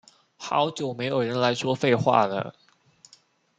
好久沒有來說廢話惹